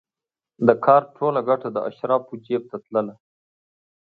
د کار ټوله ګټه د اشرافو جېب ته تلله